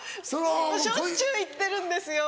しょっちゅう行ってるんですよ